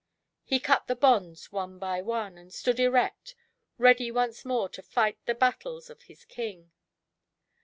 He cut the bonds one by one, and stood erect, ready once more to fight the battles of his King.